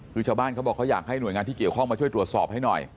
คือชาวบ้านเขาบอกเขาอยากให้หน่วยงานที่เกี่ยวข้องมาช่วยตรวจสอบให้หน่อย